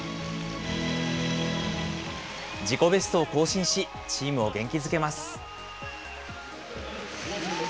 自己ベストを更新し、チームを元気づけます。